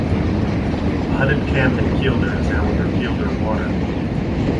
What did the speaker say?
The hutted camp in Kielder is now under Kielder Water.